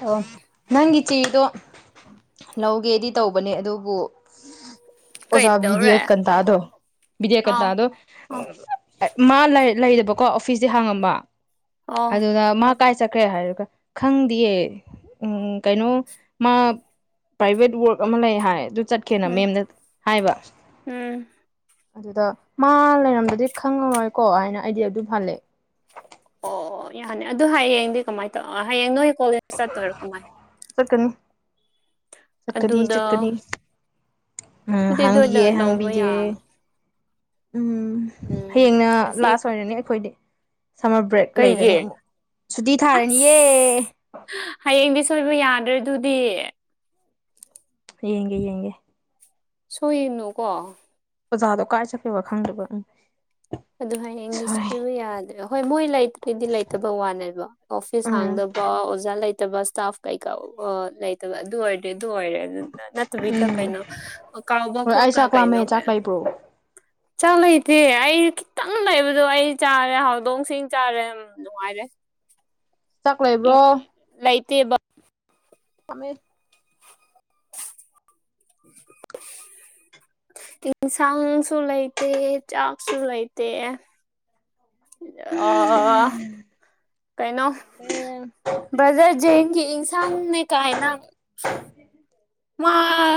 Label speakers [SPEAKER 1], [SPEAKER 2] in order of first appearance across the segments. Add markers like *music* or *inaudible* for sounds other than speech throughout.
[SPEAKER 1] ꯑꯣ ꯅꯪꯒꯤ ꯆꯦꯗꯣ ꯂꯧꯒꯦꯗꯤ ꯇꯧꯕꯅꯦ ꯑꯗꯨꯕꯨ ꯑꯣꯖꯥ
[SPEAKER 2] ꯀꯩꯗꯧꯔꯦ
[SPEAKER 1] ꯕꯤꯗꯤꯌꯦꯀꯟꯇꯥꯗꯣ
[SPEAKER 2] ꯑꯥꯎ
[SPEAKER 1] ꯕꯤꯗꯤꯌꯦꯀꯟꯇꯥꯗꯣ
[SPEAKER 2] ꯑꯥꯎ
[SPEAKER 1] ꯃꯥ ꯂꯩ ꯂꯩꯕꯀꯣ ꯑꯣꯐꯤꯁꯇꯤ ꯍꯥꯡꯉꯝꯕ
[SPEAKER 2] ꯑꯥꯎ
[SPEAKER 1] ꯑꯗꯨꯗ ꯃꯥ ꯀꯥꯏ ꯆꯠꯈ꯭ꯔꯦ ꯍꯥꯏꯔ ꯈꯪꯗꯤꯌꯦ ꯎꯡ ꯀꯩꯅꯣ ꯃꯥ ꯄ꯭ꯔꯥꯏꯚꯦꯠ ꯋꯥꯔꯛ ꯑꯃ ꯂꯩ ꯍꯥꯏ ꯑꯗꯨ ꯆꯠꯈꯦꯅ
[SPEAKER 2] ꯎꯝ
[SPEAKER 1] ꯃꯦꯝꯗ ꯍꯥꯏꯕ
[SPEAKER 2] ꯎꯝ
[SPEAKER 1] ꯑꯗꯨꯗ ꯃꯥ ꯂꯩꯔꯝꯗꯗꯤ ꯈꯪꯉꯔꯣꯏꯀꯣ ꯍꯥꯏꯅ ꯑꯩꯗꯤ ꯑꯗꯨꯝ ꯍꯜꯂꯦ
[SPEAKER 2] ꯑꯣ ꯌꯥꯅꯤ ꯑꯗꯨ ꯍꯌꯦꯡꯗꯤ ꯀꯃꯥꯏ ꯇꯧ ꯍꯌꯦꯡ ꯅꯣꯏ ꯀꯣꯂꯦꯖ ꯆꯠꯇꯣꯏꯔꯣ ꯀꯃꯥꯏꯅ
[SPEAKER 1] ꯆꯠꯀꯅꯤ ꯆꯠꯀꯅꯤ
[SPEAKER 2] ꯑꯗꯨꯗ
[SPEAKER 1] ꯆꯠꯀꯅꯤ ꯎꯝ
[SPEAKER 2] ꯑꯗꯨꯗꯤ ꯑꯗꯨꯗ
[SPEAKER 1] ꯍꯥꯡꯗꯤꯒꯦ
[SPEAKER 2] ꯂꯧꯕ
[SPEAKER 1] ꯍꯥꯡꯕꯤꯒꯦ
[SPEAKER 2] ꯌꯥ
[SPEAKER 1] ꯎꯝ
[SPEAKER 2] ꯎꯝ
[SPEAKER 1] ꯍꯌꯦꯡꯅ
[SPEAKER 2] ꯑꯁꯤ
[SPEAKER 1] ꯂꯥꯁ ꯑꯣꯏꯔꯅꯤ ꯑꯩꯈꯣꯏꯗꯤ ꯁꯝꯃꯔ ꯕ꯭ꯔꯦꯛ ꯂꯩꯔꯅꯤ
[SPEAKER 2] ꯀꯩꯒꯤ
[SPEAKER 1] ꯑꯃꯨꯛ ꯁꯨꯇꯤ ꯊꯥꯔꯅꯤꯌꯦ
[SPEAKER 2] ꯍꯍ ꯍꯌꯦꯡꯗꯤ ꯁꯣꯏꯕ ꯌꯥꯗ꯭ꯔꯦꯗꯨꯗꯤ
[SPEAKER 1] ꯌꯦꯡꯒꯦ ꯌꯦꯡꯒꯦ
[SPEAKER 2] ꯁꯣꯏꯌꯦꯅꯨꯀꯣ
[SPEAKER 1] ꯑꯣꯖꯥꯗꯣ ꯀꯥꯏ ꯆꯠꯀꯦꯕ ꯈꯪꯗꯕ ꯎꯪ
[SPEAKER 2] ꯑꯗꯨ ꯍꯌꯦꯡꯗꯤ ꯁꯣꯏꯕ ꯌꯥꯗ꯭ꯔꯦ ꯍꯣꯏ ꯃꯣꯏ ꯂꯩ ꯑꯗꯨꯏꯗꯤ ꯂꯩꯇꯕ ꯋꯥꯅꯦꯕ ꯑꯣꯐꯤꯁ
[SPEAKER 1] ꯎꯝ
[SPEAKER 2] ꯍꯥꯡꯗꯕ ꯑꯣꯖꯥ ꯂꯩꯇꯕ ꯏꯁꯇꯥꯐ ꯀꯩꯀꯥ ꯑꯣ ꯂꯩꯇꯕ ꯑꯗꯨ ꯑꯣꯏꯔꯗꯤ ꯑꯗꯨ ꯑꯣꯏꯔꯦ ꯑꯗꯨꯅ ꯅꯠ ꯇꯕꯤꯗ
[SPEAKER 1] ꯎꯝ
[SPEAKER 2] ꯀꯩꯅꯣ ꯍꯍ ꯀꯥꯎꯕ
[SPEAKER 1] ꯍꯣꯏ
[SPEAKER 2] ꯈꯣ
[SPEAKER 1] ꯑꯩ
[SPEAKER 2] ꯀ
[SPEAKER 1] ꯆꯥꯛ ꯂꯥꯝꯃꯦ
[SPEAKER 2] ꯀꯩꯅꯣ
[SPEAKER 1] ꯆꯥꯛ
[SPEAKER 2] ꯀꯥꯏ
[SPEAKER 1] ꯂꯩꯕ꯭ꯔꯣ
[SPEAKER 2] ꯆꯥꯛ ꯂꯩꯇꯦ ꯑꯩ ꯈꯤ ꯇꯪ ꯂꯩꯕꯗꯣ ꯑꯩ ꯆꯥꯔꯦ ꯍꯧꯗꯣꯡꯁꯤꯡ ꯆꯥꯔꯦ ꯑꯝ ꯅꯨꯡꯉꯥꯏꯔꯦ
[SPEAKER 1] ꯆꯥꯛ ꯂꯩꯕ꯭ꯔꯣ
[SPEAKER 2] ꯂꯩꯇꯦꯕ
[SPEAKER 1] ꯑꯝꯃꯦ *inaudible*
[SPEAKER 2] ꯏꯟꯁꯥꯡꯁꯨꯨ ꯂꯩꯇꯦ ꯆꯥꯥꯛꯁꯨꯨ ꯂꯩꯇꯦ ꯑꯥ ꯑꯥ ꯑꯥ ꯑꯥ ꯑꯥ ꯀꯩꯅꯣ
[SPEAKER 1] ꯌꯦꯟ
[SPEAKER 2] ꯕ꯭ꯔꯗꯔ ꯖꯦꯡꯒꯤ ꯏꯟꯁꯥꯡꯅꯦ ꯀꯥꯏꯅ
[SPEAKER 1] *inaudible*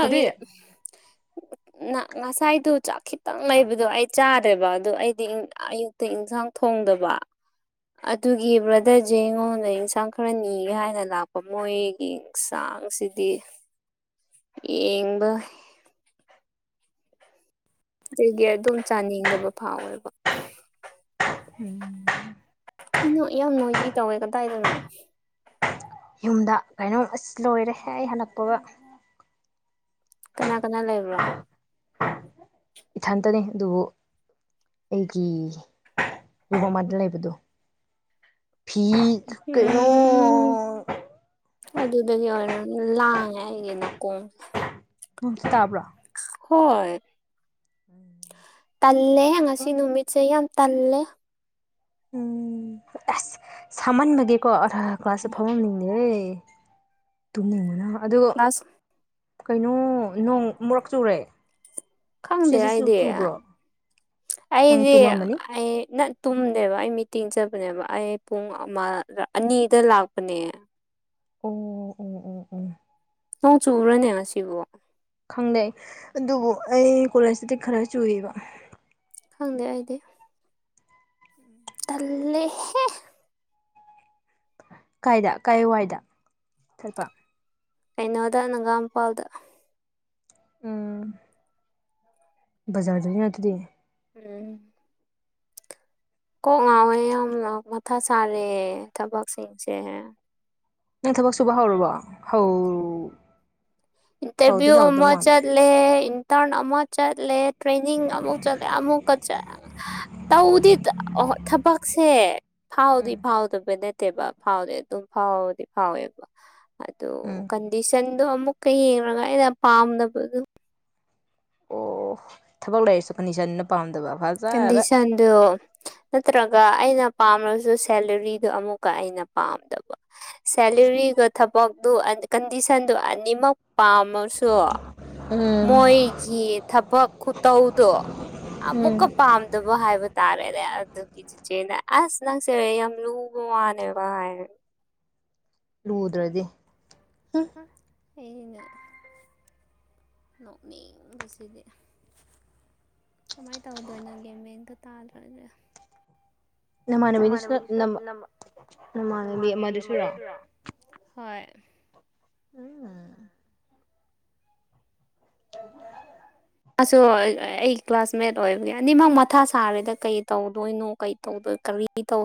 [SPEAKER 1] ꯀꯔꯤ *inaudible*
[SPEAKER 2] ꯅ ꯉꯁꯥꯏꯗꯨ ꯆꯥꯛ ꯈꯤꯇꯪ ꯂꯩꯕꯗꯣ ꯑꯩ ꯆꯥꯗꯦꯕ ꯑꯗꯨ ꯑꯩꯗꯤ ꯏꯪ ꯑꯌꯨꯛꯇ ꯏꯟꯖꯥꯡ ꯊꯣꯡꯗꯕ ꯑꯗꯨꯒꯤ ꯕ꯭ꯔꯗꯔ ꯖꯦꯡ ꯉꯣꯟꯗꯩ ꯏꯟꯁꯥꯡ ꯈꯔ ꯅꯤꯒꯦ ꯍꯥꯏꯅ ꯂꯥꯛꯄ ꯃꯣꯏꯒꯤ ꯆꯥꯡꯁꯤꯗꯤ ꯌꯦꯡꯕ ꯁꯤꯗꯒꯤ ꯑꯗꯨꯝ ꯆꯥꯅꯤꯡꯗꯕ ꯐꯥꯎꯋꯦꯕ
[SPEAKER 1] ꯎꯝ
[SPEAKER 2] ꯀꯩꯅꯣ ꯌꯥꯝ ꯅꯣꯏꯖꯤ ꯇꯧꯋꯦ ꯀꯗꯥꯏꯗꯅꯣ
[SPEAKER 1] ꯌꯨꯝꯗ ꯀꯩꯅꯣꯝ ꯑꯁ ꯂꯣꯏꯔꯦ ꯑꯩ ꯍꯟꯂꯛꯄꯒ
[SPEAKER 2] ꯀꯅꯥ ꯀꯅꯥ ꯂꯩꯕ꯭ꯔꯣ
[SPEAKER 1] ꯏꯊꯟꯇꯅꯤ ꯑꯗꯨꯕꯨ ꯑꯩꯒꯤ ꯂꯨꯍꯣꯡꯃꯗ ꯂꯩꯕꯗꯣ ꯐꯤ ꯀꯩꯅꯣ
[SPEAKER 2] ꯎꯝ ꯑꯗꯨꯗꯒꯤ ꯑꯣꯏꯔꯝ ꯂꯥꯡꯉꯦ ꯑꯩꯒꯤ ꯅꯥꯀꯣꯡ
[SPEAKER 1] ꯅꯨꯡꯁꯨ ꯇꯥꯕ꯭ꯔꯣ
[SPEAKER 2] ꯍꯣꯏ ꯇꯜꯂꯦꯍꯦ ꯉꯁꯤ ꯅꯨꯃꯤꯠ ꯁꯦ ꯌꯥꯝ ꯇꯜꯂꯦ
[SPEAKER 1] ꯎꯝ ꯑꯁ ꯁꯥꯃꯟꯕꯗꯤꯀꯣ ꯑꯔ ꯀ꯭ꯂꯥꯁꯇ ꯐꯥꯎꯃꯝꯅꯤꯡꯕ ꯑꯦ ꯇꯨꯝꯅꯤꯡꯕꯅ ꯑꯗꯨ
[SPEAKER 2] ꯀ꯭ꯂꯥꯁ
[SPEAKER 1] ꯀꯩꯅꯣ ꯅꯣꯡ ꯑꯃꯨꯔꯛ ꯆꯨꯔꯦ
[SPEAKER 2] ꯈꯪꯗꯦ
[SPEAKER 1] ꯁꯤꯁꯤ
[SPEAKER 2] ꯑꯩꯗꯤ
[SPEAKER 1] ꯆꯨꯕ꯭ꯔꯣ ꯅꯪ
[SPEAKER 2] ꯑꯩꯗꯤ
[SPEAKER 1] ꯇꯨꯝꯃꯝꯃꯅꯤ
[SPEAKER 2] ꯑꯩ ꯅꯠ ꯇꯨꯝꯗꯦꯕ ꯑꯩ ꯃꯤꯇꯤꯡ ꯆꯠꯕꯅꯦꯕ ꯑꯩ ꯄꯨꯡ ꯑꯃ ꯔ ꯑꯅꯤꯗ ꯂꯥꯛꯄꯅꯦ
[SPEAKER 1] ꯑꯣ ꯎꯝ ꯎ ꯎꯝ
[SPEAKER 2] ꯅꯣꯡ ꯆꯨꯨꯕ꯭ꯔꯅꯦ ꯉꯁꯤꯕꯨ
[SPEAKER 1] ꯈꯪꯅꯩ ꯑꯗꯨꯕꯨ ꯑꯩ ꯀꯣꯂꯦꯖꯇꯗꯤ ꯈꯔ ꯆꯨꯏꯕ
[SPEAKER 2] ꯈꯪꯗꯦ ꯑꯩꯗꯤ ꯇꯜꯂꯦꯍꯦ
[SPEAKER 1] ꯀꯥꯏꯗ ꯀꯥꯏ ꯋꯥꯏꯗ ꯊꯠꯄ
[SPEAKER 2] ꯑꯩꯅꯣꯗ ꯅꯪꯒꯥꯝ ꯄꯥꯜꯗ
[SPEAKER 1] ꯎꯝ ꯕꯖꯥꯔꯗ ꯅꯤꯅ ꯑꯗꯨꯗꯤ
[SPEAKER 2] ꯎꯝ ꯀꯣꯛ ꯉꯥꯎꯋꯦ ꯌꯥꯝꯅ ꯃꯊꯥ ꯁꯥꯔꯦ ꯊꯕꯛꯁꯤꯡꯁꯦ
[SPEAKER 1] ꯅꯪ ꯊꯕꯛ ꯁꯨꯕ ꯍꯧꯔꯕꯣ ꯍꯧ ꯍꯧꯗꯤ
[SPEAKER 2] ꯏꯠꯇꯕꯤꯌꯨ
[SPEAKER 1] ꯍꯧꯗꯧ
[SPEAKER 2] ꯑꯃ
[SPEAKER 1] ꯃꯥꯟꯗꯦ
[SPEAKER 2] ꯆꯠ ꯂꯦ ꯏꯟꯇꯔꯟ ꯑꯃ ꯆꯠꯂꯦ ꯇ꯭ꯔꯦꯅꯤꯡ ꯑꯃꯨꯛ ꯆꯠꯂꯦ ꯑꯃꯨꯛꯀ ꯆꯠ ꯇꯧꯗꯤ ꯇ ꯑꯍꯣ ꯊꯕꯛꯁꯦ ꯐꯥꯎꯗꯤ
[SPEAKER 1] ꯎꯝ
[SPEAKER 2] ꯐꯥꯎꯗꯕ ꯅꯠꯇꯦꯕ ꯐꯥꯎꯗꯤ ꯑꯗꯨꯝ ꯐꯥꯎꯕꯗꯤ ꯐꯥꯎꯋꯦꯕ ꯑꯗꯣ
[SPEAKER 1] ꯎꯝ
[SPEAKER 2] ꯀꯟꯗꯤꯁꯟꯗꯣ ꯑꯃꯨꯛꯀ ꯌꯦꯡꯔꯒ ꯑꯩꯅ ꯄꯥꯝꯗꯕꯗꯨ
[SPEAKER 1] ꯑꯣ ꯊꯕꯛ ꯂꯩꯔꯁꯨ ꯀꯗꯤꯁꯟꯅ ꯄꯥꯝꯗꯕ ꯐꯖ
[SPEAKER 2] ꯀꯟꯗꯤꯁꯟꯗꯨ ꯅꯠꯇ꯭ꯔꯒ ꯑꯩꯅ ꯄꯥꯝꯂꯁꯨ ꯁꯦꯂꯔꯤꯗꯨ ꯑꯃꯨꯛꯀ ꯑꯩꯅ ꯄꯥꯝꯗꯕ ꯁꯦꯂꯔꯤꯒ ꯊꯕꯛꯇꯨ ꯀꯟꯗꯤꯁꯟꯗꯨ ꯑꯅꯤꯃꯛ ꯄꯥꯝꯃꯁꯨ
[SPEAKER 1] ꯎꯝ
[SPEAKER 2] ꯃꯣꯏꯒꯤ ꯊꯕꯛ ꯈꯨꯇꯧꯗꯣ
[SPEAKER 1] ꯎꯝ
[SPEAKER 2] ꯑꯃꯨꯛꯀ ꯄꯥꯝ ꯗꯕ ꯍꯥꯏꯕ ꯇꯥꯔꯦꯅꯦ ꯑꯗꯨꯒꯤ ꯆꯤꯆꯦꯅ ꯑꯁ ꯅꯪꯁꯦ ꯌꯥꯝ ꯂꯨꯕ ꯋꯥꯅꯦꯕ ꯍꯥꯏꯔꯦ
[SPEAKER 1] ꯂꯨꯗ꯭ꯔꯗꯤ
[SPEAKER 2] ꯍꯝ ꯑꯩꯅ ꯅꯣꯛꯅꯤꯡꯕꯁꯤꯗꯤ ꯀꯃꯥꯏ ꯇꯧꯗꯣꯏꯅꯣ ꯒ꯭ꯌꯥꯟꯃꯦꯟꯒ ꯇꯥꯗ꯭ꯔꯦꯗ
[SPEAKER 1] ꯅꯃꯥꯟꯅꯕꯤꯅꯤꯁꯨꯅ ꯅꯃꯥ ꯅꯃꯥꯟꯅꯕꯤ ꯑꯃꯗꯨꯁꯨꯔꯣ
[SPEAKER 2] ꯍꯣꯏ
[SPEAKER 1] ꯎꯝ *unintelligible*
[SPEAKER 2] ꯑꯁꯣ ꯑꯩ ꯀ꯭ꯂꯥꯁꯃꯦꯠ ꯑꯣꯏꯕꯒꯤ ꯑꯅꯤꯃꯛ ꯃꯊꯥ ꯁꯥꯔꯦꯗ ꯀꯩ ꯇꯧꯗꯣꯏꯅꯣ ꯀꯩ ꯇꯧꯗꯣꯏ ꯀꯔꯤ ꯏꯇꯧ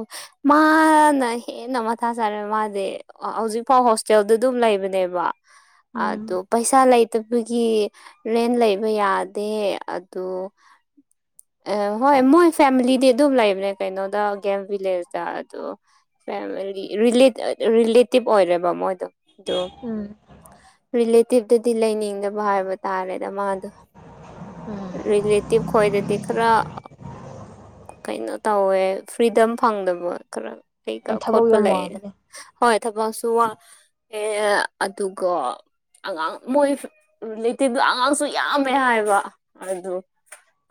[SPEAKER 2] ꯃꯥꯅ ꯍꯦꯟꯅ ꯃꯊꯥ ꯁꯥꯔꯦ ꯃꯥꯗꯤ ꯑ ꯍꯧꯖꯤꯛꯐꯥꯎ ꯍꯣꯁꯇꯦꯜꯗ ꯑꯗꯨꯝ ꯂꯩꯕꯅꯦꯕ ꯑꯗꯨ
[SPEAKER 1] ꯎꯝ
[SPEAKER 2] ꯄꯩꯁꯥ ꯂꯩꯇꯕꯒꯤ ꯔꯦꯟ ꯂꯩ ꯕ ꯌꯥꯗꯦ ꯑꯗꯨ ꯍꯣꯏ ꯑꯦ ꯃꯣꯏ ꯐꯦꯃꯤꯂꯤꯗꯤ ꯑꯗꯨꯝ ꯂꯩꯕꯅꯦ ꯀꯩꯅꯣꯗ ꯒꯦꯝꯚꯤꯂꯦꯖꯗ ꯑꯗꯨ ꯐꯦꯝꯃꯤꯂꯤ ꯔꯤꯂꯤꯠ ꯑ ꯔꯤꯂꯦꯇꯤꯞ ꯑꯣꯏꯔꯦꯕ ꯃꯣꯏꯗꯣ ꯑꯗꯨ
[SPEAKER 1] ꯎꯝ
[SPEAKER 2] ꯔꯤꯂꯦꯇꯤꯞꯇꯗꯤ ꯂꯩꯅꯤꯡꯗꯕ ꯍꯥꯏꯕ ꯇꯥꯔꯦꯗ ꯃꯥꯗꯣ
[SPEAKER 1] ꯎꯝ
[SPEAKER 2] ꯔꯤꯂꯦꯇꯤꯞ ꯈꯣꯏꯗꯗꯤ ꯈꯔ ꯀꯩꯅꯣ ꯇꯧꯋꯦ ꯐ꯭ꯔꯤꯗꯝ ꯐꯪꯗꯕ ꯈꯔ ꯑꯩꯒ
[SPEAKER 1] ꯎꯝ ꯊꯕꯛ
[SPEAKER 2] ꯈꯣꯠꯄ
[SPEAKER 1] ꯌꯥꯝ
[SPEAKER 2] ꯂꯩꯌꯦ
[SPEAKER 1] ꯋꯥꯕꯅꯦ
[SPEAKER 2] ꯍꯣꯏ ꯊꯕꯛꯁꯨ ꯋꯥ ꯑꯦ ꯑꯗꯨꯒ ꯑꯉꯥꯡ ꯃꯣꯏ ꯔꯤꯂꯦꯇꯤꯞꯗꯣ ꯑꯉꯥꯡꯁꯨ ꯌꯥꯝꯃꯦ ꯍꯥꯏꯕ ꯑꯗꯨ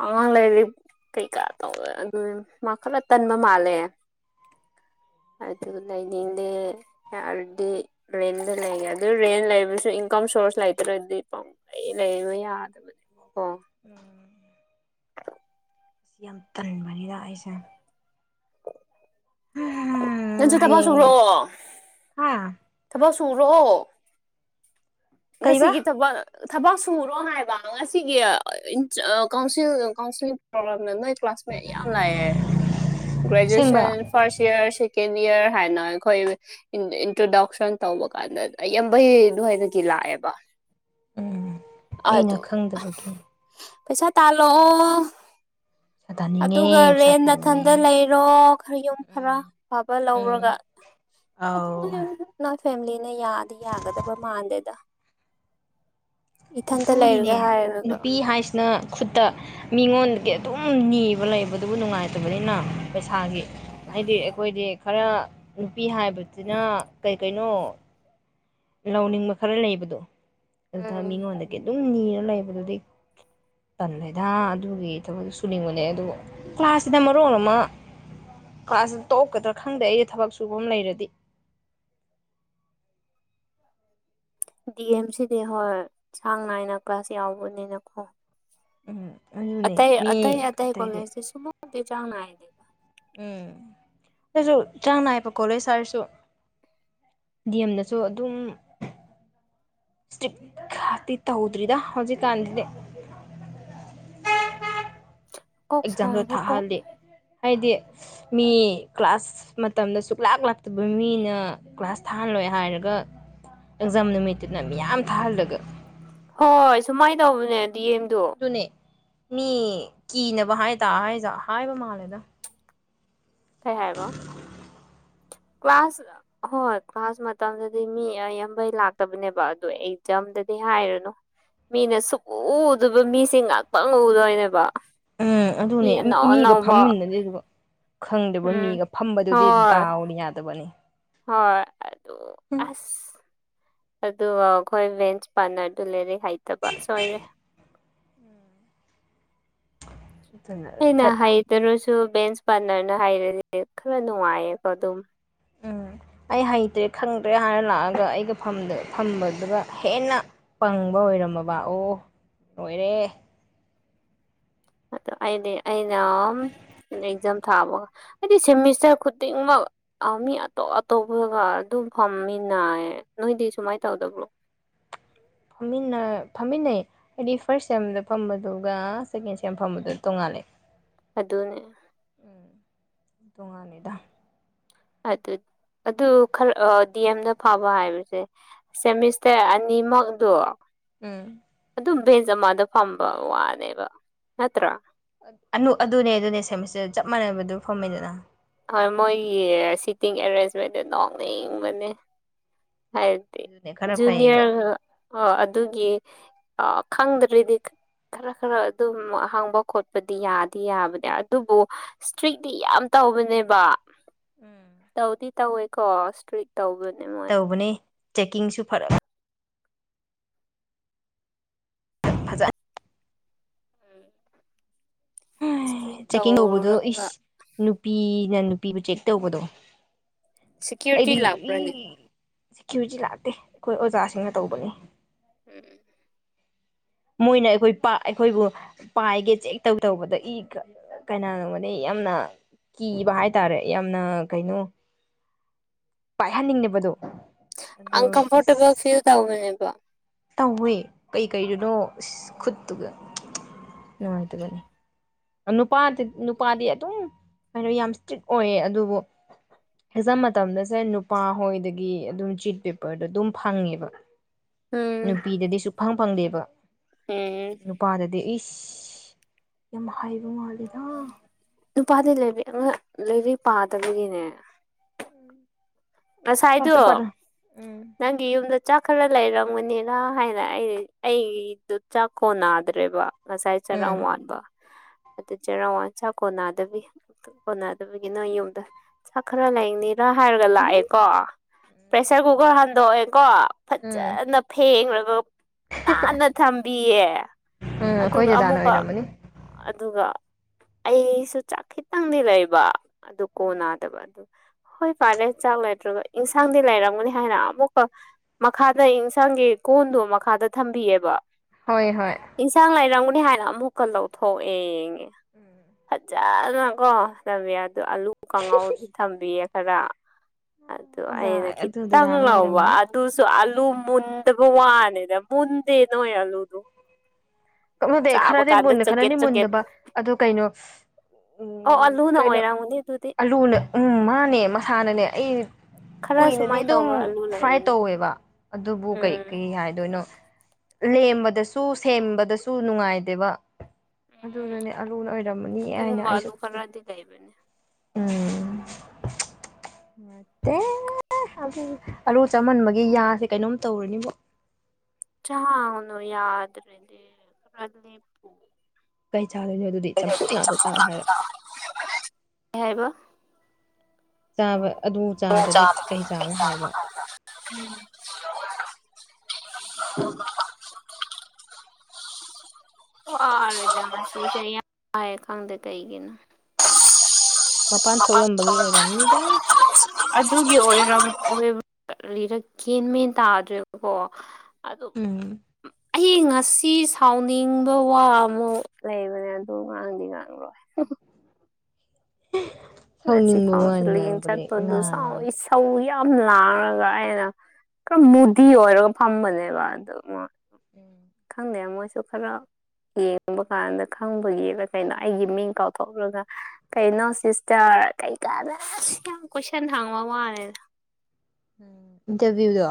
[SPEAKER 2] ꯑꯉꯥꯡ ꯂꯩꯔꯤꯞ ꯀꯩꯀꯥ ꯇꯧꯗꯅ ꯑꯗꯨꯗꯤꯝ ꯃꯥ ꯈꯔ ꯇꯟꯕ ꯃꯥꯜꯂꯦ ꯑꯗꯨ ꯂꯩꯅꯤꯡꯗꯦ ꯌꯥꯔꯗꯤ ꯔꯦꯟꯗ ꯂꯩꯒꯦ ꯑꯗꯨ ꯔꯦꯟ ꯂꯩꯕꯁꯨ ꯏꯟꯀꯝ ꯁꯣꯔ꯭ꯁ ꯂꯩꯇ꯭ꯔꯗꯤ ꯄꯝ ꯑꯩ ꯂꯩꯕ ꯌꯥꯗꯕꯅꯦ ꯀꯣ
[SPEAKER 1] ꯎꯝ ꯌꯥꯝ ꯇꯟꯕꯅꯤꯗ ꯑꯩꯁꯦ
[SPEAKER 2] ꯅꯪꯁꯨ ꯊꯕꯛ ꯁꯨꯔꯣ
[SPEAKER 1] ꯍꯌꯦꯡ ꯍꯥ
[SPEAKER 2] ꯊꯕꯛ ꯁꯨꯔꯣ
[SPEAKER 1] ꯀꯩꯕ
[SPEAKER 2] ꯉꯁꯤꯒꯤ ꯊꯕꯛ ꯊꯕꯛ ꯁꯨꯔꯣ ꯍꯥꯏꯕ ꯉꯁꯤꯒꯤ ꯏꯟꯁ ꯀꯥꯎ꯭ꯟꯁꯤꯜ ꯀꯥꯎ꯭ꯟꯁꯤꯜ ꯄ꯭ꯔꯣꯕ꯭ꯂꯦꯝ ꯌꯥꯝ ꯂꯩ ꯀ꯭ꯂꯥꯁꯃꯦꯠ ꯌꯥꯝ ꯂꯥꯛꯑꯦ
[SPEAKER 1] ꯑꯁꯦꯡꯕ
[SPEAKER 2] ꯒ꯭ꯔꯦꯖ꯭ꯌꯦꯁꯟ ꯐꯥ꯭ꯔꯁ ꯏꯌ꯭ꯔ ꯁꯦꯀꯦꯟ ꯏꯌ꯭ꯔ ꯍꯥꯏꯅ ꯑꯩꯈꯣꯏ ꯏꯟ ꯏꯟꯇ꯭ꯔꯗꯛꯁꯟ ꯇꯧꯕ ꯀꯥꯟꯗ ꯑꯩꯌꯥꯝꯕꯩ ꯑꯗꯨꯋꯥꯏꯗꯒꯤ ꯂꯥꯛꯑꯦꯕ
[SPEAKER 1] ꯎꯝ ꯑꯩꯅ
[SPEAKER 2] ꯑꯗꯨ
[SPEAKER 1] ꯈꯪꯗꯕꯒꯤ
[SPEAKER 2] ꯄꯩꯁꯥ ꯇꯥꯂꯛꯑꯣ
[SPEAKER 1] ꯄꯩꯁꯥ ꯇꯥꯅꯤꯡꯉꯦ
[SPEAKER 2] ꯑꯗꯨꯒ
[SPEAKER 1] ꯄꯩꯁꯥ
[SPEAKER 2] ꯔꯦꯟ
[SPEAKER 1] ꯇꯥꯅꯤꯡꯉꯦ
[SPEAKER 2] ꯅꯊꯟꯗ ꯂꯩꯔꯣ ꯈꯔ ꯌꯨꯝ
[SPEAKER 1] ꯎꯝ
[SPEAKER 2] ꯈꯔ ꯐꯕ
[SPEAKER 1] ꯎꯝ
[SPEAKER 2] ꯂꯧꯔꯒ
[SPEAKER 1] ꯑꯧ
[SPEAKER 2] ꯑꯗꯨꯅꯦ ꯅ ꯐꯦꯃꯤꯂꯤꯅ ꯌꯥꯗꯤ ꯌꯥꯒꯗꯕ ꯃꯥꯟꯗꯦꯗ ꯏꯊꯟꯇ ꯂꯩꯔꯒꯦ ꯍꯥꯏꯔꯒ
[SPEAKER 1] ꯅ ꯈꯨꯠꯇ ꯃꯤꯉꯣꯟꯗꯒꯤ ꯑꯗꯨꯝ ꯅꯤꯕ ꯂꯩꯕꯗꯨꯕꯨ ꯅꯨꯡꯉꯥꯏꯇꯕꯅꯤꯅ ꯄꯩꯁꯥꯒꯤ ꯍꯥꯏꯗꯤ ꯑꯩꯈꯣꯏꯗꯤ ꯈꯔ ꯅꯨꯄꯤ ꯍꯥꯏꯕꯖꯤꯅ ꯀꯩꯀꯩꯅꯣ ꯂꯧꯅꯤꯡꯕ ꯈꯔ ꯂꯩꯕꯗꯣ ꯑꯗ
[SPEAKER 2] ꯎꯝ
[SPEAKER 1] ꯃꯤꯉꯣꯟꯗꯒꯤ ꯑꯗꯨꯝ ꯅꯤꯔ ꯂꯩꯕꯗꯨꯗꯤ ꯇꯟꯂꯦꯗꯥ ꯑꯗꯨꯒꯤ ꯊꯕꯛ ꯁꯨꯅꯤꯡꯕꯅꯦ ꯑꯗꯨꯕꯨ ꯀ꯭ꯂꯥꯁꯁꯤꯗ ꯃꯔꯣꯟ ꯑꯃ ꯀ꯭ꯂꯥꯁꯁꯤ ꯇꯣꯛꯀꯗ꯭ꯔꯥ ꯈꯪꯗꯦ ꯑꯩꯗꯤ ꯊꯕꯛ ꯁꯨꯕꯝ ꯂꯩꯔꯗꯤ
[SPEAKER 2] ꯗꯤ ꯑꯦꯝ ꯁꯤꯗꯤ ꯍꯣꯏ ꯆꯥꯡ ꯅꯥꯏꯅ ꯀ꯭ꯂꯥꯁ ꯌꯥꯎꯕꯅꯤꯅꯀꯣ
[SPEAKER 1] ꯎꯝ ꯑꯩꯖꯨ
[SPEAKER 2] ꯑꯇꯩ ꯑꯇꯩ ꯑꯇꯩ ꯀꯣꯂꯦꯖꯇꯤ ꯁꯨꯕꯝ ꯄꯦꯆꯥꯡ ꯅꯥꯏꯗꯦ
[SPEAKER 1] ꯎꯝ ꯑꯗꯣꯏꯁꯨ ꯆꯥꯡ ꯅꯥꯏꯕ ꯀꯣꯂꯦꯁ ꯍꯥꯏꯔꯁꯨ ꯗꯤ ꯑꯦꯝ ꯗꯁꯨ ꯑꯗꯨꯝ ꯇ꯭ꯔꯤꯞ ꯈꯥꯇꯤ ꯇꯧꯗ꯭ꯔꯤꯗ ꯍꯧꯖꯤꯛꯀꯥꯟꯗꯗꯤ
[SPEAKER 2] ꯀꯣꯛ
[SPEAKER 1] ꯑꯦꯛꯖꯥꯝꯗꯨ
[SPEAKER 2] ꯁꯥꯔꯦ ꯀꯣꯛ
[SPEAKER 1] ꯊꯥꯛꯍꯜꯂꯤ ꯍꯥꯏꯗꯤ ꯃꯤ ꯀ꯭ꯂꯥꯁ ꯃꯇꯝꯗ ꯁꯨꯛꯂꯥꯛ ꯂꯥꯛꯇꯕ ꯃꯤꯅ ꯀ꯭ꯂꯥꯁ ꯊꯥꯍꯟꯂꯣꯏ ꯍꯥꯏꯔꯒ ꯑꯦꯛꯖꯥꯝ ꯅꯨꯃꯤꯠꯇꯨꯅ ꯃꯤꯌꯥꯝ ꯊꯥꯍꯜꯂꯒ
[SPEAKER 2] ꯍꯣꯏ ꯁꯨꯃꯥꯏ ꯇꯧꯕꯅꯦ ꯗꯤ ꯑꯦꯝ ꯗꯣ
[SPEAKER 1] ꯑꯗꯨꯅꯦ ꯃꯤ ꯀꯤꯅꯕ ꯍꯥꯏꯇꯥ ꯍꯥꯏꯖꯥ ꯍꯥꯏꯕ ꯃꯥꯜꯂꯦꯗ
[SPEAKER 2] ꯀꯩ ꯍꯥꯏꯕ ꯀ꯭ꯂꯥꯁ ꯍꯣꯏ ꯀ꯭ꯂꯥꯁ ꯃꯇꯝꯗꯗꯤ ꯃꯤ ꯑꯌꯥꯝꯕꯩ ꯂꯥꯛꯇꯕꯅꯦꯕ ꯑꯗꯨ ꯑꯦꯛꯖꯥꯝꯗꯗꯤ ꯍꯥꯏꯔꯅꯨ ꯃꯤꯅ ꯁꯨꯛꯎ ꯎꯗꯕ ꯃꯤꯁꯦ ꯉꯥꯛꯇꯪ ꯎꯗꯣꯏꯅꯦꯕ
[SPEAKER 1] ꯎꯝ
[SPEAKER 2] ꯃꯤ
[SPEAKER 1] ꯑꯗꯨꯅꯦ
[SPEAKER 2] ꯑꯅꯧ
[SPEAKER 1] ꯃꯤꯒ
[SPEAKER 2] ꯑꯅꯧꯕ
[SPEAKER 1] ꯐꯝꯃꯤꯅꯗꯦ ꯑꯗꯨꯒ ꯈꯪꯗꯦꯕꯣ
[SPEAKER 2] ꯎꯝ
[SPEAKER 1] ꯃꯤꯒ ꯐꯝꯕꯗꯨꯗꯤ
[SPEAKER 2] ꯍꯣꯏ
[SPEAKER 1] ꯗꯥꯎꯅ ꯌꯥꯗꯕꯅꯤ
[SPEAKER 2] ꯍꯣꯏ ꯑꯗꯨ ꯑꯁ ꯑꯗꯨ ꯑꯈꯣꯏ ꯚꯦꯟꯁ ꯄꯥꯠꯅꯔꯗꯨ ꯂꯩꯔꯤꯛ ꯍꯩꯇꯕ ꯁꯣꯏꯔꯦ
[SPEAKER 1] ꯎ *inaudible*
[SPEAKER 2] ꯑꯩꯅ ꯍꯩꯇꯥꯔꯥꯁꯨ ꯕꯦꯟꯁ ꯄꯥꯠꯅꯔꯅ ꯍꯩꯔꯥꯗꯤ ꯈꯔ ꯅꯨꯡꯉꯥꯏꯌꯦꯕ ꯑꯗꯨꯝ
[SPEAKER 1] ꯎꯝ ꯑꯩ ꯍꯩꯇ꯭ꯔꯦ ꯈꯪꯗ꯭ꯔꯦ ꯍꯥꯢꯔ ꯂꯥꯛꯑꯒ ꯑꯩꯒ ꯐꯝꯕ-ꯐꯝꯕꯗꯨꯒ ꯍꯦꯟꯅ ꯄꯪꯕ ꯑꯣꯏꯔꯝꯃꯕ ꯑꯣ ꯑꯣꯏꯔꯦ
[SPEAKER 2] ꯑꯩꯗꯤ ꯑꯩꯅꯥꯝ ꯑꯦꯛꯖꯥꯝ ꯊꯥꯕꯒ ꯍꯥꯏꯗꯤ ꯁꯦꯃꯤꯁꯇꯔ ꯈꯨꯗꯤꯡꯃꯛ ꯑ ꯃꯤ ꯑꯇꯣꯞ ꯑꯇꯣꯞꯄꯒ ꯑꯗꯨꯝ ꯐꯝꯃꯤꯅꯩ ꯅꯣꯏꯗꯤ ꯁꯨꯃꯥꯏꯅ ꯇꯧꯗꯕ꯭ꯔꯣ
[SPEAKER 1] ꯐꯝꯃꯤꯟꯅ ꯐꯝꯃꯤꯟꯅꯩ ꯍꯥꯏꯗꯤ ꯐꯥꯔꯁ ꯁꯦꯝꯗ ꯐꯝꯕꯗꯨꯒ ꯁꯦꯀꯦꯟ ꯁꯦꯝ ꯐꯝꯕꯗꯨꯗ ꯇꯣꯡꯉꯜꯂꯦ
[SPEAKER 2] ꯑꯗꯨꯅꯦ
[SPEAKER 1] ꯎꯝ ꯇꯣꯡꯉꯥꯂꯤꯗꯥ
[SPEAKER 2] ꯑꯗꯨ ꯑꯗꯨ ꯈꯔ ꯗꯤ ꯑꯦꯝꯗ ꯐꯥꯕ ꯍꯥꯏꯕꯁꯦ ꯁꯦꯃꯤꯁꯇꯔ ꯑꯅꯤꯃꯛꯗꯣ
[SPEAKER 1] ꯎꯝ
[SPEAKER 2] ꯑꯗꯨꯝ ꯚꯦꯟꯖ ꯑꯃꯗ ꯐꯝꯕ ꯋꯥꯅꯦꯕ ꯅꯠꯇ꯭ꯔꯥ
[SPEAKER 1] ꯑꯗꯨꯅꯦ ꯑꯗꯨꯅꯦ ꯁꯦꯃꯤꯁꯇꯔ ꯆꯞ ꯃꯥꯟꯅꯕꯗꯨ ꯐꯝꯃꯦꯗꯅ
[SPEAKER 2] ꯍꯣꯏ ꯃꯣꯏꯒꯤ ꯁꯤꯇꯤꯡ ꯑꯦꯔꯦꯟꯖꯃꯦꯟꯗꯣ ꯅꯣꯡꯅꯤꯡꯕꯅꯦ ꯍꯥꯏ
[SPEAKER 1] ꯑꯗꯨꯅꯦ ꯈꯔ ꯐꯩꯌꯦꯕ
[SPEAKER 2] ꯖꯨꯅꯤꯌꯔ ꯈꯔ ꯑꯣ ꯑꯗꯨꯒꯤ ꯑꯥ ꯈꯪꯗ꯭ꯔꯦꯗꯤ ꯈꯔ-ꯈꯔ ꯑꯗꯨꯝ ꯍꯪꯕ ꯈꯣꯠꯄꯗꯤ ꯌꯥꯗꯤ ꯌꯥꯕꯅꯦ ꯑꯗꯨꯕꯨ ꯏꯁꯇ꯭ꯔꯤꯛꯂꯤ ꯌꯥꯝ ꯇꯧꯕꯅꯤ ꯅꯦꯕ ꯇꯧꯗꯤ ꯇꯧꯋꯦꯀꯣ ꯏꯁꯇ꯭ꯔꯤꯛ ꯇꯧꯕꯅꯦꯕ
[SPEAKER 1] ꯇꯧꯕꯅꯦ ꯆꯦꯛꯀꯤꯡꯁꯨ ꯐꯔꯛ ꯐꯖꯥ ꯍꯩ
[SPEAKER 2] ꯏꯁꯇ꯭ꯔꯤꯛ
[SPEAKER 1] ꯆꯦꯛꯀꯤꯡ ꯇꯧꯕꯗꯣ
[SPEAKER 2] ꯇꯧꯔꯒ
[SPEAKER 1] ꯏꯁ ꯅꯨꯄꯤꯅ ꯅꯨꯄꯤꯕꯨ ꯆꯦꯛ ꯇꯧꯕꯗꯣ
[SPEAKER 2] ꯁꯦꯀ꯭ꯌꯨꯔꯤꯇꯤ
[SPEAKER 1] ꯑꯩꯗꯤ ꯏ
[SPEAKER 2] ꯂꯥꯛꯄ꯭ꯔꯅꯦ
[SPEAKER 1] ꯁꯦꯀ꯭ꯌꯨꯔꯤꯇꯤ ꯂꯥꯛꯇꯦ ꯑꯩꯈꯣꯏ ꯑꯣꯖꯥꯁꯤꯡꯅ ꯇꯧꯕꯅꯤ
[SPEAKER 2] ꯎꯝ
[SPEAKER 1] ꯃꯣꯏꯅ ꯑꯩꯈꯣꯏꯄ ꯑꯩꯈꯣꯏꯕꯨ ꯄꯥꯏꯒꯦ ꯆꯦꯛ ꯇꯧꯇꯧꯕꯗ ꯏ ꯀꯥ ꯀꯩꯅꯥꯅꯣꯃꯗꯤ ꯌꯥꯝꯅ ꯀꯤꯕ ꯍꯥꯏꯇꯥꯔꯦ ꯌꯥꯝꯅ ꯀꯩꯅꯣ ꯄꯥꯏꯍꯟꯅꯤꯡꯗꯕꯗꯣ ꯑꯗꯣ
[SPEAKER 2] ꯑꯟ ꯀꯝꯐꯣꯔꯇꯦꯕꯜ
[SPEAKER 1] ꯑꯁ
[SPEAKER 2] ꯐꯤꯜ ꯇꯥꯎꯕꯅꯦꯕ
[SPEAKER 1] ꯇꯧꯋꯦ ꯀꯩꯀꯩꯗꯨꯅꯣ ꯑꯁ ꯈꯨꯠꯇꯨꯒ ꯅꯨꯡꯉꯥꯏꯇꯕꯅꯤ ꯅꯨꯄꯥꯗꯤ ꯅꯨꯄꯥꯗꯤ ꯑꯗꯨꯝ ꯀꯩꯅꯣ ꯌꯥꯝ ꯏꯁꯇ꯭ꯔꯤꯛ ꯑꯣꯏꯌꯦ ꯑꯗꯨꯕꯨ ꯑꯦꯆꯝ ꯃꯇꯝꯗꯁꯦ ꯅꯨꯄꯥ ꯍꯣꯏꯗꯒꯤ ꯑꯗꯨꯝ ꯆꯤꯠ ꯄꯦꯄꯔꯗꯣ ꯑꯗꯨꯝ ꯐꯪꯉꯦꯕ
[SPEAKER 2] ꯎꯝ
[SPEAKER 1] ꯅꯨꯄꯤꯗꯗꯤ ꯁꯨꯛꯐꯪ ꯐꯪꯗꯦꯕ
[SPEAKER 2] ꯎꯝ
[SPEAKER 1] ꯅꯨꯄꯥꯗꯗꯤ ꯏꯁ ꯌꯥꯝ ꯍꯩꯕ ꯃꯥꯜꯂꯤꯗ
[SPEAKER 2] ꯅꯨꯄꯥꯗꯤ ꯂꯩꯕꯤ ꯑꯃ ꯂꯩꯔꯤꯛ ꯄꯥꯗꯕꯒꯤꯅꯦ
[SPEAKER 1] ꯎꯝ
[SPEAKER 2] ꯉꯁꯥꯏꯗꯣ
[SPEAKER 1] ꯄꯥꯁꯨ ꯄꯥꯔ
[SPEAKER 2] ꯅꯪ ꯑꯩ ꯒꯤ ꯌꯨꯝꯗ ꯆꯥꯛ ꯈꯔ ꯂꯩꯔꯝꯒꯅꯤꯔ ꯍꯥꯏꯅ ꯑꯩ ꯑꯩꯒꯤꯗꯨ ꯆꯥꯛꯀꯣꯟ ꯅꯥꯗ꯭ꯔꯦꯕ ꯉꯁꯥꯏ ꯆꯔ
[SPEAKER 1] ꯎꯝ
[SPEAKER 2] ꯋꯥꯟꯕ ꯑꯗꯨ ꯆꯩꯔꯥꯎ ꯋꯥꯟ ꯆꯥꯛ ꯀꯣꯟꯅꯗꯕꯤ ꯀꯣꯟꯅꯗꯕꯒꯤꯅ ꯌꯨꯝꯗ ꯆꯥꯛ ꯈꯔ ꯂꯩꯅꯤ ꯅ ꯍꯥꯏꯔꯒ
[SPEAKER 1] ꯎꯝꯍꯨꯝ
[SPEAKER 2] ꯂꯥꯛꯑꯦꯀꯣ
[SPEAKER 1] ꯎꯝ
[SPEAKER 2] ꯄ꯭ꯔꯦꯁꯔ ꯀꯨꯀꯔ ꯍꯟꯗꯣꯛꯑꯦ ꯀꯣ
[SPEAKER 1] ꯎꯝ
[SPEAKER 2] ꯐꯠꯖꯅ ꯐꯦꯡꯉꯒ ꯅꯥꯟꯅ ꯊꯝꯕꯤꯌꯦ
[SPEAKER 1] ꯎꯝ ꯑꯈꯣꯏ
[SPEAKER 2] ꯑꯗꯨꯒ
[SPEAKER 1] ꯗꯗꯥꯅ
[SPEAKER 2] ꯑꯃꯨꯛꯀ
[SPEAKER 1] ꯑꯣꯏꯔꯝꯃꯅꯤ
[SPEAKER 2] ꯑꯗꯨꯒ ꯑꯩꯁꯨ ꯆꯥꯛ ꯈꯤꯇꯪꯗꯤ ꯂꯩꯕ ꯑꯗꯨ ꯀꯣ ꯅꯥꯗꯕ ꯑꯗꯨ ꯍꯣꯏ ꯐꯔꯦ ꯆꯥꯛ ꯅꯠꯇ꯭ꯔꯒ ꯏꯟꯁꯥꯡꯗꯤ ꯂꯩꯔꯝꯒꯅꯤ ꯍꯥꯏꯅ ꯑꯃꯨꯛꯀ ꯃꯈꯥꯗ ꯑꯦꯟꯁꯥꯡꯒꯤ ꯀꯣꯟꯗꯣ ꯃꯈꯥꯗ ꯊꯝꯕꯤꯌꯦꯕ
[SPEAKER 1] ꯍꯣꯏ ꯍꯣꯏ
[SPEAKER 2] ꯏꯟꯁꯥꯡ ꯂꯩꯔꯝꯒꯅꯤ ꯍꯥꯏꯅ ꯑꯃꯨꯛꯀ ꯂꯧꯊꯣꯛꯑꯦ ꯌꯦꯡꯉꯦ ꯐꯖꯅꯀꯣ ꯆꯃꯦ ꯑꯗꯨ ꯑꯂꯨ ꯀꯥꯡꯉꯥꯎꯗꯤ ꯊꯝꯕꯤꯌꯦ ꯈꯔ ꯑꯗꯨꯗ
[SPEAKER 1] ꯑꯣꯖꯥ
[SPEAKER 2] ꯑꯩꯅ
[SPEAKER 1] ꯑꯗꯨ
[SPEAKER 2] ꯈꯤꯠꯇꯪ
[SPEAKER 1] ꯗꯗꯥꯅ
[SPEAKER 2] ꯂꯧꯕ
[SPEAKER 1] ꯑꯣꯏꯔꯝꯅꯤ
[SPEAKER 2] ꯑꯗꯨꯁꯨ ꯑꯂꯨ ꯃꯨꯟꯗꯕ ꯋꯥꯅꯦꯗ ꯃꯨꯟꯗꯦꯅꯣꯏ ꯑꯂꯨꯗꯨ
[SPEAKER 1] ꯀꯞꯅꯗꯦ ꯈꯔꯗꯤ ꯃꯨꯟꯅ
[SPEAKER 2] ꯆꯒꯦꯠ
[SPEAKER 1] ꯈꯔꯗꯤ
[SPEAKER 2] ꯆꯒꯦꯠ
[SPEAKER 1] ꯃꯨꯟꯗꯕ ꯑꯗꯨ ꯀꯩꯅꯣ
[SPEAKER 2] ꯑꯣ
[SPEAKER 1] ꯎꯝ
[SPEAKER 2] ꯑꯥꯂꯨꯅ
[SPEAKER 1] ꯀꯩꯅꯣ
[SPEAKER 2] ꯑꯣꯏꯔꯝꯒꯅꯤ ꯑꯗꯨꯗꯤ
[SPEAKER 1] ꯑꯂꯨꯅ ꯎꯝ ꯃꯥꯅꯦ ꯃꯁꯥꯅꯅꯦ ꯑꯩ
[SPEAKER 2] ꯈꯔ
[SPEAKER 1] ꯀꯨꯏꯅꯗꯤ
[SPEAKER 2] ꯁꯨꯃꯥꯏꯅ
[SPEAKER 1] ꯑꯗꯨꯝ
[SPEAKER 2] ꯇꯧꯕ ꯑꯂꯨ
[SPEAKER 1] ꯐ꯭ꯔꯥꯏ
[SPEAKER 2] ꯂꯩꯕꯅꯦ
[SPEAKER 1] ꯇꯧꯋꯦꯕ ꯑꯗꯨꯕꯨ ꯀꯩ
[SPEAKER 2] ꯎꯝ
[SPEAKER 1] ꯀꯩ ꯍꯥꯏꯗꯣꯏꯅꯣ ꯂꯦꯟꯕꯗꯁꯨ ꯁꯦꯝꯕꯗꯁꯨ ꯅꯨꯡꯉꯥꯏꯗꯦꯕ
[SPEAKER 2] ꯎꯝ
[SPEAKER 1] ꯑꯗꯨꯅꯅꯦ ꯑꯂꯨꯅ ꯑꯣꯏꯔꯝꯃꯅꯤ ꯍꯥꯏꯅ
[SPEAKER 2] ꯑꯗꯨꯒꯨꯝꯕ
[SPEAKER 1] ꯑꯩꯁꯨ
[SPEAKER 2] ꯑꯂꯨ ꯈꯔꯗꯤ ꯂꯩꯕꯅꯦ
[SPEAKER 1] ꯎꯝ ꯑꯦ ꯑꯂꯨ ꯆꯥꯃꯟꯕꯒꯤ ꯌꯥꯁꯦ ꯀꯩꯅꯣꯝ ꯇꯧꯔꯦꯕꯣ
[SPEAKER 2] ꯆꯥꯅꯣ ꯌꯥꯗ꯭ꯔꯗꯤ
[SPEAKER 1] ꯀꯩ ꯆꯥꯗꯣꯏꯅꯣ ꯑꯗꯨꯗꯤ ꯆꯝꯐꯨꯠ ꯉꯥꯛꯇ ꯆꯥꯎ ꯍꯥꯏꯔꯣ
[SPEAKER 2] ꯀꯕ *inaudible*
[SPEAKER 1] ꯆꯥꯕ ꯑꯗꯨ ꯆꯥꯗ꯭ꯔꯗꯤ ꯀꯩ ꯆꯥꯡꯅꯣ ꯍꯥꯏꯕ
[SPEAKER 2] ꯎꯝ
[SPEAKER 1] ꯎꯝ
[SPEAKER 2] ꯋꯥꯔꯦ ꯈꯪꯗꯦ ꯀꯩꯒꯤꯅꯣ
[SPEAKER 1] ꯃꯄꯥꯟ ꯊꯣꯛꯂꯝꯕꯒꯤ ꯑꯣꯏꯔꯝꯅꯤꯗ
[SPEAKER 2] ꯑꯗꯨꯒꯤ ꯑꯣꯏ ꯂꯤꯔ ꯀꯦꯟ ꯃꯦꯟ ꯇꯥꯗ꯭ꯔꯦꯕꯀꯣ ꯑꯗꯨ
[SPEAKER 1] ꯎꯝ
[SPEAKER 2] ꯑꯩ ꯉꯁꯤ ꯁꯤ ꯁꯥꯎꯅꯤꯡꯕ ꯋꯥ ꯑꯃ ꯂꯩꯕꯅꯦ ꯑꯗꯨ ꯉꯥꯡꯗꯤ ꯉꯥꯡꯂꯣꯏ ꯉꯁꯤ
[SPEAKER 1] ꯁꯥꯎꯅꯤꯡꯕ ꯋꯥꯗꯤ ꯉꯥꯡꯕꯗꯤ ꯉꯔꯥꯡ
[SPEAKER 2] ꯊꯧ ꯌꯥꯝ ꯂꯥꯡꯉꯒ ꯑꯩꯅ ꯈꯔ ꯃꯨꯗꯤ ꯑꯣꯏꯔꯒ ꯐꯝꯕꯅꯦꯕ ꯑꯗꯨ
[SPEAKER 1] ꯎꯝ
[SPEAKER 2] ꯈꯪꯗꯦ ꯃꯣꯏꯁꯨ ꯈꯔ ꯌꯦꯡꯕ ꯀꯥꯟꯗ ꯈꯪꯕꯒꯤꯔ ꯀꯩꯅꯣ ꯑꯩꯒꯤ ꯃꯤꯡ ꯀꯥꯎꯊꯣꯛꯂꯒ ꯀꯩꯅꯣ ꯁꯤꯁꯇꯔ ꯀꯩꯀꯥꯅ ꯌꯥꯝꯅ ꯀꯣꯏꯁꯟ ꯍꯥꯡꯕ ꯃꯥꯂꯦꯗ
[SPEAKER 1] ꯎꯝ ꯏꯟꯇꯔꯚ꯭ꯌꯨꯗꯣ